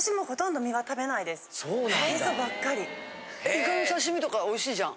イカの刺身とかおいしいじゃん。